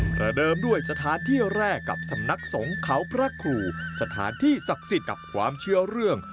ประเดิมด้วยสถานที่แรกกับสำนักสงฆ์เขาพระครูสถานที่ศักดิ์สิทธิ์กับความเชื่อเรื่อง